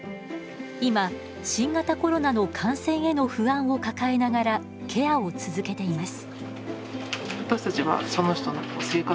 今新型コロナの感染への不安を抱えながらケアを続けています。